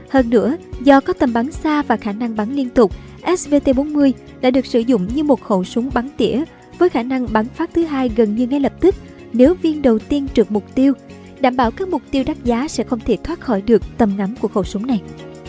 hơn nữa do có tầm bắn xa và khả năng bắn liên tục svt bốn mươi lại được sử dụng như một khẩu súng bắn tỉa với khả năng bắn phát thứ hai gần như ngay lập tức nếu viên đầu tiên trượt mục tiêu đảm bảo các mục tiêu đắt giá sẽ không thể thoát khỏi được tầm ngắm của khẩu súng này